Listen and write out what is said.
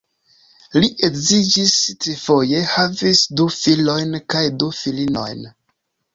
Li edziĝis trifoje, havis du filojn kaj du filinojn.